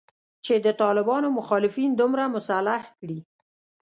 چې د طالبانو مخالفین دومره مسلح کړي